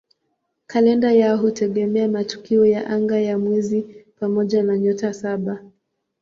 Kalenda yao hutegemea matukio ya anga ya mwezi pamoja na "Nyota Saba".